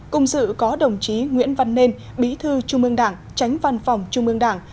cùng dự có đồng chí nguyễn văn nên bí thư trung ương đảng tránh văn phòng trung ương đảng